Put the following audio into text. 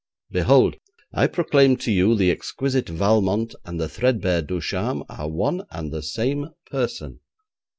Behold, I proclaim to you, the exquisite Valmont and the threadbare Ducharme are one and the same person.